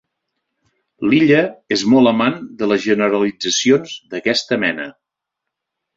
L'Illa és molt amant de les generalitzacions d'aquesta mena.